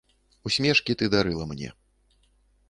Усмешкі ты дарыла мне.